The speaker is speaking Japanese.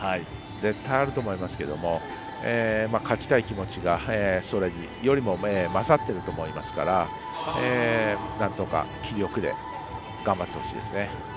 絶対あると思いますけども勝ちたい気持ちがそれよりも勝っていると思いますからなんとか、気力で頑張ってほしいですね。